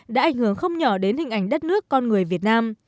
đã ảnh hưởng không nhỏ đến hình ảnh đất nước con người việt nam